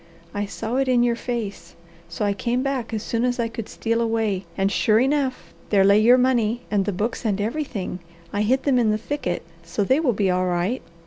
"I saw it in your face, so I came back as soon as I could steal away, and sure enough, there lay your money and the books and everything. I hid them in the thicket, so they will be all right.